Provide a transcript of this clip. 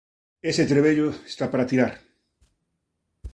Ese trebello está para tirar.